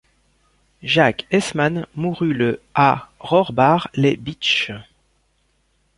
Jacques Hessemann mourut le à Rohrbach-lès-Bitche.